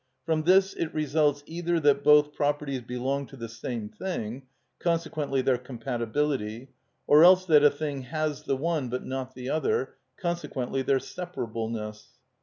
From this it results either that both properties belong to the same thing, consequently their compatibility, or else that a thing has the one but not the other, consequently their separableness.